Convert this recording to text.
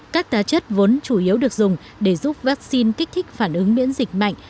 các tá chất vốn chủ yếu được dùng để giúp vaccine kích thích phản ứng miễn dịch mạnh